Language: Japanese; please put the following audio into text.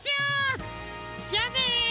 じゃあね！